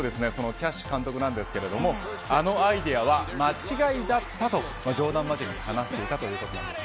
キャッシュ監督はあのアイデアは間違いだったと冗談まじりに話していたということです。